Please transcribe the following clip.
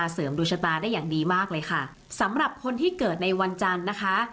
สำหรับคนที่เกิดในวันจันทร์นะคะ